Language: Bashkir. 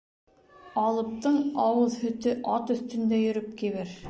Алыптың ауыҙ һөтө ат өҫтөндә йөрөп кибер.